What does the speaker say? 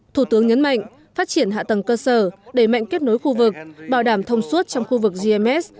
thủ tướng nhấn mạnh phát triển hạ tầng cơ sở đẩy mạnh kết nối khu vực bảo đảm thông suốt trong khu vực gms